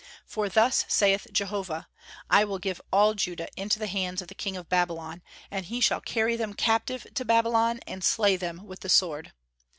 "For thus saith Jehovah, I will give all Judah into the hands of the king of Babylon, and he shall carry them captive to Babylon, and slay them with the sword."